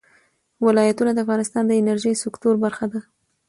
ولایتونه د افغانستان د انرژۍ سکتور برخه ده.